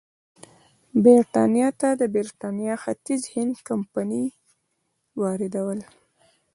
برېټانیا ته د برېټانیا ختیځ هند کمپنۍ واردول.